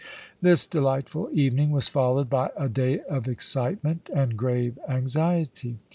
This delightful evening was followed by a day of excitement and grave anxiety.